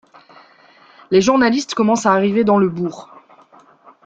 Les journalistes commencent à arriver dans le bourg.